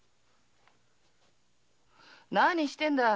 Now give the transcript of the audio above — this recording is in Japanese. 何してんだい。